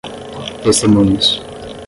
testemunhas